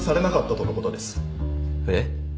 えっ？